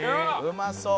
「うまそう」